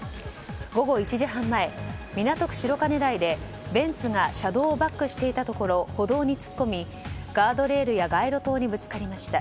午後１時半前港区白金台でベンツが車道をバックしていたところ歩道に突っ込み、ガードレールや街路灯にぶつかりました。